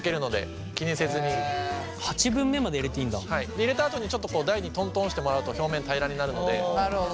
入れたあとにちょっと台にトントンしてもらうと表面平らになるので。